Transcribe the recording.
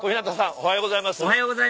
おはようございます